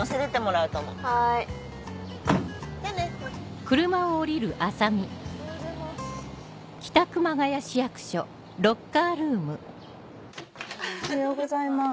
おはようございます。